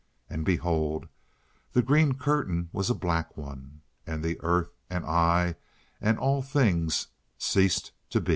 And behold! the green curtain was a black one, and the earth and I and all things ceased to be.